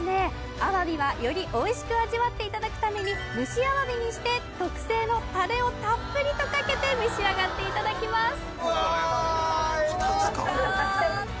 アワビはよりおいしく味わっていただくために蒸しアワビにして特製のタレをたっぷりとかけて召し上がっていただきますうわ